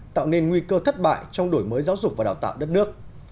tạo nên nguy cơ thất bại trong đổi mới giáo dục và đào tạo đất nước